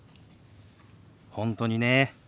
本当にね。